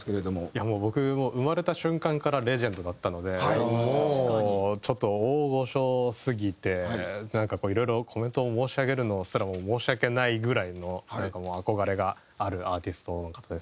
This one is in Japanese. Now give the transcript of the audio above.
いや僕もう生まれた瞬間からレジェンドだったのでもうちょっと大御所すぎてなんかこういろいろコメントを申し上げるのすらも申し訳ないぐらいの憧れがあるアーティストの方ですね。